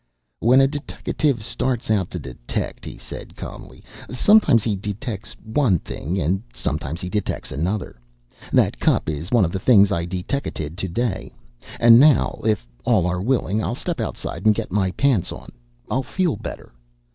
"When a deteckative starts out to detect," he said calmly, "sometimes he detects one thing and sometimes he detects another. That cup is one of the things I deteckated to day. And now, if all are willing, I'll step outside and get my pants on. I'll feel better."